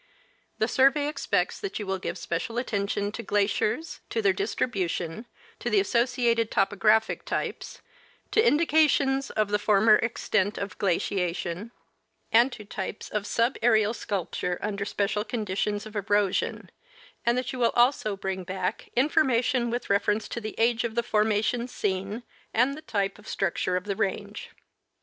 The Survey expects that you will give special attention to glaciers, to their distribution, to the associated topographic types, to indications of the former extent of glaciation, and to types of subaerial sculpture under special conditions of erosion, and that you will also bring back informa tion with reference to the age of the formations seen and the type of structure of the range.